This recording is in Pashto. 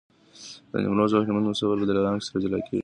د نیمروز او هلمند مسافر په دلارام کي سره جلا کېږي.